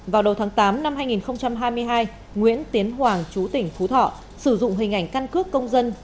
vào đầu tháng tám năm hai nghìn hai mươi hai nguyễn tiến hoàng chú tỉnh phú thọ sử dụng hình ảnh căn cước công dân